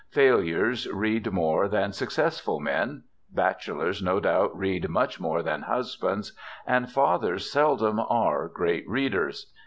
Failures read more than successful men. Bachelors no doubt read much more than husbands. And fathers seldom are great readers.